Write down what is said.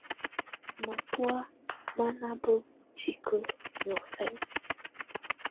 Matɔ̀́á mà nà bǝbu tikǝ́ niɔ̀fɛna.